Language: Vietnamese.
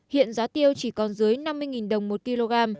hiện giá tiêu chỉ còn dưới năm mươi đồng một kg